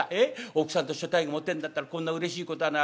『お福さんと所帯が持てんだったらこんなうれしいことはない。